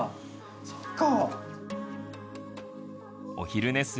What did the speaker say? そっか。